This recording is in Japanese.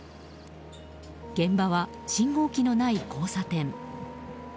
現場は信号機のない交差点。